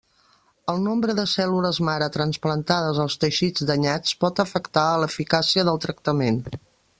El nombre de cèl·lules mare trasplantades als teixits danyats pot afectar a l'eficàcia del tractament.